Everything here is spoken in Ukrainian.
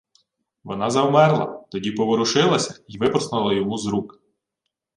Вона завмерла, тоді поворушилася й випорснула йому з рук.